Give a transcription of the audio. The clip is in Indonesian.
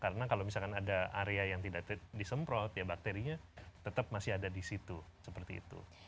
karena kalau misalkan ada area yang tidak disemprot ya bakterinya tetap masih ada di situ seperti itu